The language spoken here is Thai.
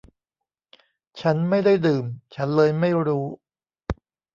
ฉันไม่ได้ดื่ม ฉันเลยไม่รู้